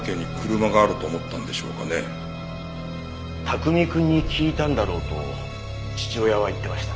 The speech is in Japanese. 卓海くんに聞いたんだろうと父親は言ってました。